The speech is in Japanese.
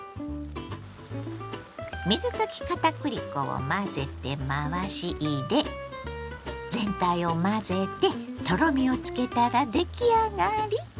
水溶き片栗粉を混ぜて回し入れ全体を混ぜてとろみをつけたら出来上がり。